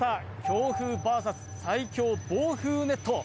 強風ＶＳ最強防風ネット